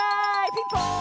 ピンポーン！